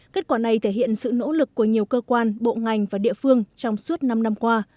kết quả này thể hiện sự nỗ lực của nhiều cơ quan bộ ngành và địa phương trong suốt năm năm qua